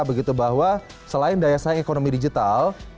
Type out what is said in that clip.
begitu bahwa selain daya saing ekonomi digital